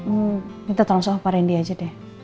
oh minta tolong soal pak randy aja deh